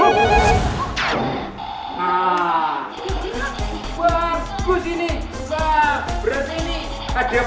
wah berarti ini hadiah paling mahal dari pandemi